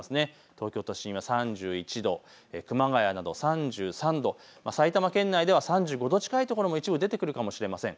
東京都心は３１度、熊谷など３３度、埼玉県内では３５度近い所も一部出てくるかもしれません。